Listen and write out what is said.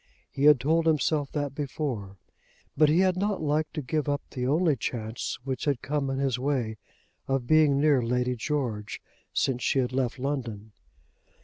He had told himself that before, but he had not liked to give up the only chance which had come in his way of being near Lady George since she had left London.